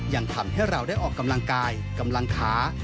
ยังทำให้เราได้ออกกำลังกายกำลังขา